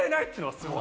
すごい。